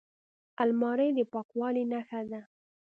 الماري د پاکوالي نښه ده